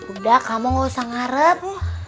udah kamu gak usah ngarep